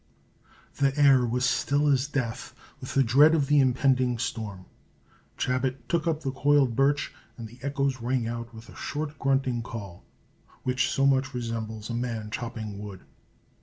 The air was still as death with the dread of the impending storm. Chabot took up the coiled birch, and the echoes rang out with a short grunting call, which so much resembles a man chopping wood.